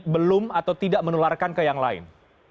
belum atau tidak menularkan ke yang lain